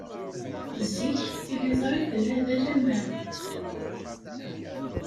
Zik, tiliẓri tella d alameɣ.